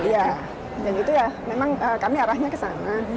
iya dan itu ya memang kami arahnya ke sana